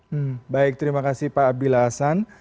hmm baik terima kasih pak abdi laha san